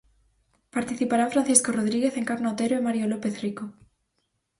Participarán Francisco Rodríguez, Encarna Otero e Mario López Rico.